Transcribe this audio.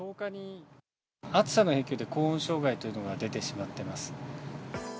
暑さの影響で、高温障害というのが出てしまってます。